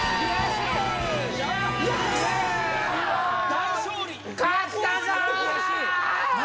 大勝利！